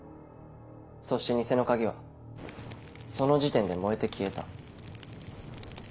そして偽の鍵はその時点で燃えて消えた。